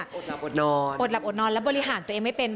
อดหลับอดนอนอดหลับอดนอนแล้วบริหารตัวเองไม่เป็น